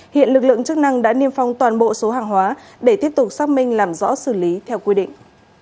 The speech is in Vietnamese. hiện lực lượng chức năng đã niêm phong toàn bộ số hàng hóa để tiếp tục xác minh làm rõ xử lý theo quy định